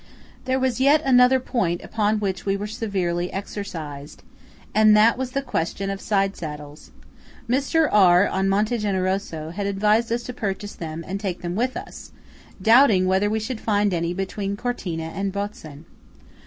There was yet another point upon which we were severely "exercised," and that was the question of side saddles. Mr. R., on Monte Generoso, had advised us to purchase them and take them with us, doubting whether we should find any between Cortina and Botzen.